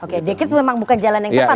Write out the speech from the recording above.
oke dekret memang bukan jalan yang tepat ya